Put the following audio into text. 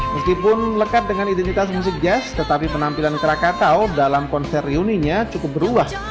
meskipun lekat dengan identitas musik jazz tetapi penampilan krakatau dalam konser reuninya cukup beruas